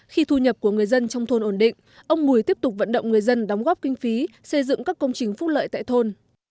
khi thu nhập của người dân trong thôn ổn định ông mùi tiếp tục vận động người dân đóng góp kinh phí xây dựng các công trình phúc lợi tại thôn